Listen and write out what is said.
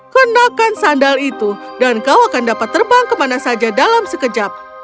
kenakan sandal itu dan kau akan dapat terbang kemana saja dalam sekejap